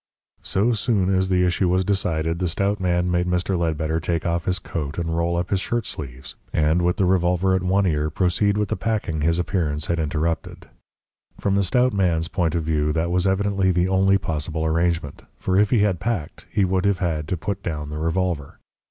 So soon as the issue was decided, the stout man made Mr. Ledbetter take off his coat and roll up his shirt sleeves, and, with the revolver at one ear, proceed with the packing his appearance had interrupted. From the stout man's point of view that was evidently the only possible arrangement, for if he had packed, he would have had to put down the revolver.